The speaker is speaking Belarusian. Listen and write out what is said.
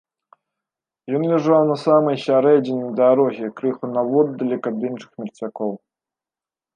Ён ляжаў на самай сярэдзіне дарогі, крыху наводдалек ад іншых мерцвякоў.